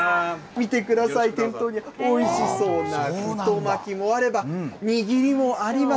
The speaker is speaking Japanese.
見てください、店頭には、おいしそうな太巻きもあれば、握りもあります。